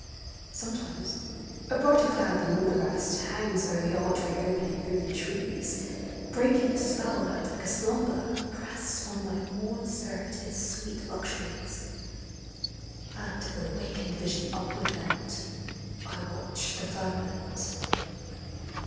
* Sometimes a brighter cloud than all the rest Hangs o'er the archway opening through the trees, Breaking the spell that, like a slumber, pressed On my worn spirit its sweet luxuries, — And with awakened vision upward bent, I watch the firmament.